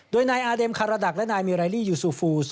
โดยนายอาเดมคาราดักและนายมิไรลี่ยูซูฟู